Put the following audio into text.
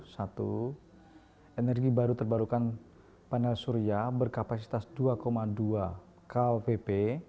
satu energi baru terbarukan panel surya berkapasitas dua dua kpp